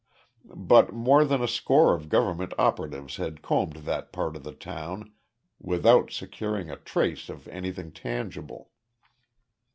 But more than a score of government operatives had combed that part of the town without securing a trace of anything tangible.